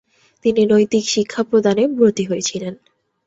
তিনি নৈতিক শিক্ষা প্রদানে ব্রতী হয়েছিলেন।